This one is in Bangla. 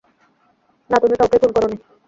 না, তুমি কাউকেই খুন করোনি!